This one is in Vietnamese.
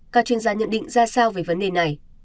các chuyên gia nhận định ra sao về vấn đề này